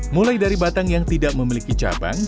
mulai dari batang yang tidak memiliki cabang